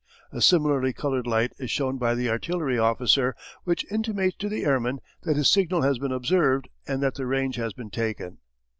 A similarly coloured light is shown by the artillery officer, which intimates to the airman that his signal has been observed and that the range has been taken.